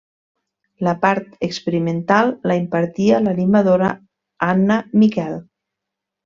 La part experimental la impartia l'animadora Anna Miquel.